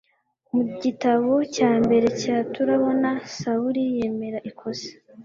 mu gitabo cya mbere cya turabona sawuli yemera ikosa